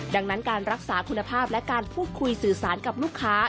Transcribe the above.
ดังนั้นการรักษาคุณภาพและการพูดคุยสื่อสารกับลูกค้า